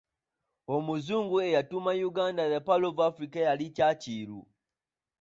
Omuzungu eyatuuma Uganda ‘The Pearl of Africa’ yali ChurchHill.